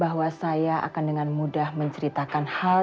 bahwa saya akan dengan mudah menceritakan hal